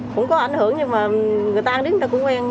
cũng có ảnh hưởng nhưng mà người ta đến người ta cũng quen